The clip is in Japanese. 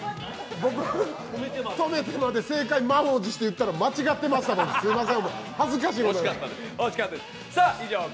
僕、止めてまで正解満を持していったら間違ってました、すみません。